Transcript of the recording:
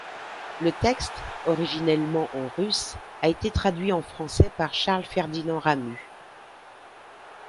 Le texte, originellement en russe, a été traduit en français par Charles-Ferdinand Ramuz.